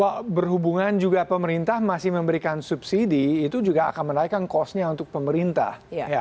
wah berhubungan juga pemerintah masih memberikan subsidi itu juga akan menaikkan kosnya untuk pemerintah